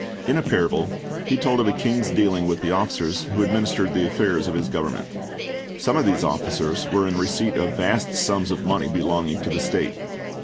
In a parable He told of a king's dealing with the officers who administered the affairs of his government. Some of these officers were in receipt of vast sums of money belonging to the state.